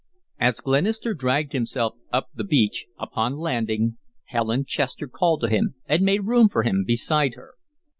As Glenister dragged himself up the beach, upon landing, Helen Chester called to him, and made room for him beside her.